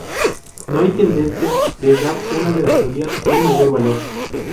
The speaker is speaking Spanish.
No hay tendencia de dar una de las teorías un mayor valor.